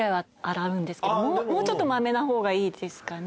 もうちょっとまめなほうがいいですかね？